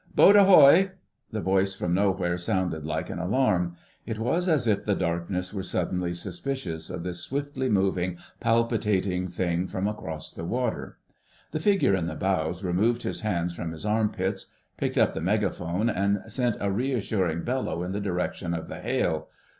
"Boat ahoy!" The voice from nowhere sounded like an alarm. It was as if the darkness were suddenly suspicious of this swiftly moving, palpitating thing from across the water. The figure in the bows removed his hands from his arm pits, picked up the megaphone, and sent a reassuring bellow in the direction of the hail.